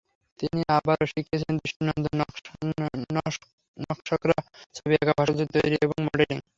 তিনি আরও শিখেছিলেন দৃষ্টিনন্দন নকশাকরা, ছবি আঁকা, ভাস্কর্য তৈরি এবং মডেলিং।